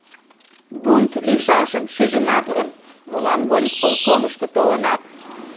— Бунт лийшашым шижынат гын, молан волисполкомышко толынат?